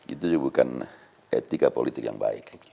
itu bukan etika politik yang baik